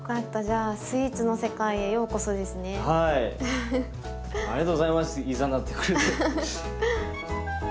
ありがとうございますいざなってくれて。